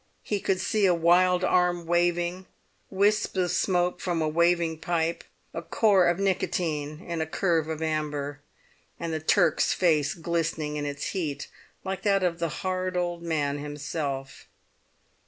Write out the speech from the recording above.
He would see a wild arm waving, wisps of smoke from a waving pipe, a core of nicotine in a curve of amber, and the Turk's face glistening in its heat like that of the hard old man himself.